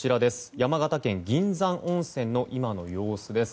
山形県銀山温泉の今の様子です。